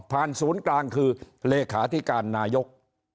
ศูนย์กลางคือเลขาธิการนายก